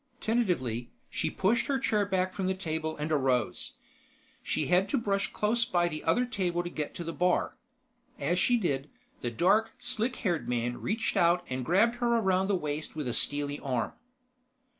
Tentatively, she pushed her chair back from the table and arose. She had to brush close by the other table to get to the bar. As she did, the dark, slick haired man reached out and grabbed her around the waist with a steely arm.